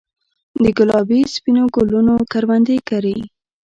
دګلابي ، سپینو ګلونو کروندې کرې